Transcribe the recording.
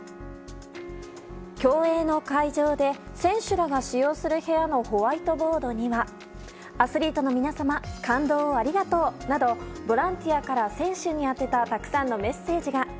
競泳の会場で選手らが使用する部屋のホワイトボードにはアスリートの皆様感動をありがとうなどボランティアから選手に宛てたたくさんのメッセージが。